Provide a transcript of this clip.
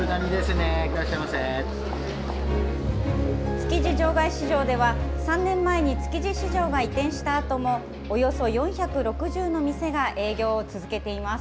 築地場外市場では、３年前に築地市場が移転したあとも、およそ４６０の店が営業を続けています。